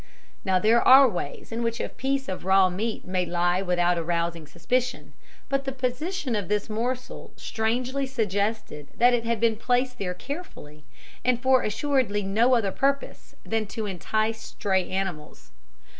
"Now there are ways in which a piece of raw meat may lie without arousing suspicion, but the position of this morsel strangely suggested that it had been placed there carefully, and for assuredly no other purpose than to entice stray animals.